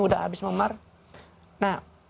udah habis memar nah